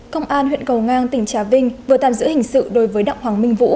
công an huyện cầu ngang tỉnh trà vinh vừa tạm giữ hình sự đối với đặng hoàng minh vũ